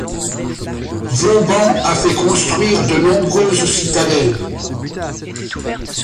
Vauban a fait construire de nombreuses citadelles.